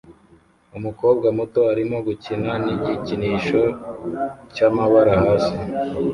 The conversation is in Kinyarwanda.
Umukobwa muto arimo gukina nigikinisho cyamabara hasi